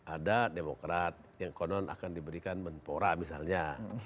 ada demokrat yang konon akan diberikan mentora misalnya